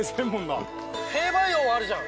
兵馬俑あるじゃん！